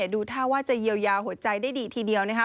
ดูท่าว่าจะเยียวยาหัวใจได้ดีทีเดียวนะคะ